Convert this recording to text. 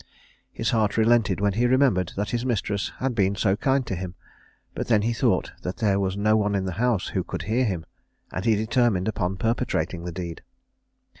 His heart relented when he remembered that his mistress had been so kind to him; but then he thought that there was no one in the house who could hear him, and he determined upon perpetrating the deed.